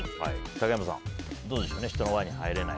竹山さん、どうでしょうね人の輪に入れない。